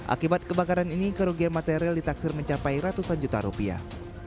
akibat kebakaran ini kerugian material ditaksir mencapai ratusan juta rupiah